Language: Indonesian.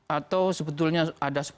atau sebetulnya ada